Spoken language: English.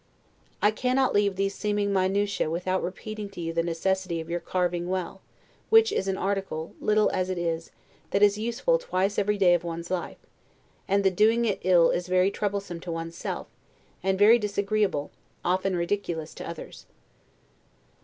I cannot leave these seeming 'minutiae', without repeating to you the necessity of your carving well; which is an article, little as it is, that is useful twice every day of one's life; and the doing it ill is very troublesome to one's self, and very disagreeable, often ridiculous, to others.